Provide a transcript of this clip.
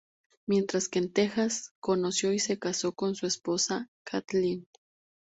Mientras que en Texas, conoció y se casó con su esposa, Kathleen.